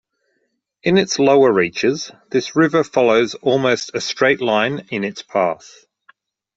In its lower reaches this river follows almost a straight line in its path.